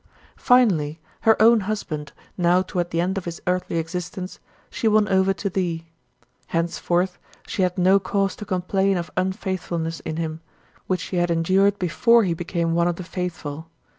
22. Finally, her own husband, now toward the end of his earthly existence, she won over to thee. Henceforth, she had no cause to complain of unfaithfulness in him, which she had endured before he became one of the faithful.